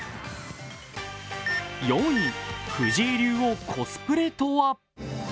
４位、藤井竜王コスプレとは？